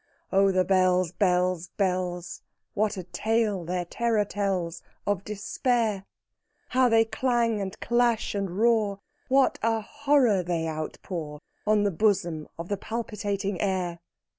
Oh, the bells, bells, bells! What a tale their terror tells Of Despair! How they clang, and clash, and roar! What a horror they outpour On the bosom of the palpitating air!